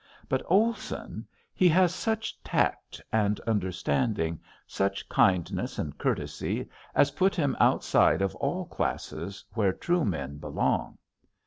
But Olson! he has such tact and understanding, such kindness and courtesy as put him outside of all classes, where true men belong.